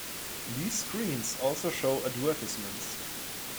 These screens also show advertisements.